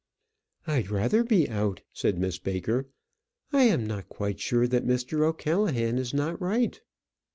"I'd rather be out," said Miss Baker. "I am not quite sure that Mr. O'Callaghan is not right."